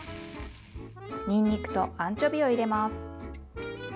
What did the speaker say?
にんにくとアンチョビを入れます。